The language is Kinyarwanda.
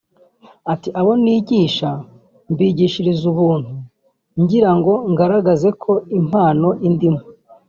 Ati “ Abo nigisha mbigishiriza ubuntu ngira ngo ngaragaze ko impano indimo